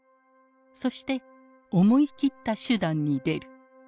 そして思い切った手段に出る。